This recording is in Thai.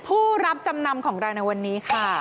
ผู้รับจำนำของเราในวันนี้ค่ะ